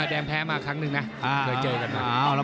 แดงแพ้มาครั้งหนึ่งนะเคยเจอกันมา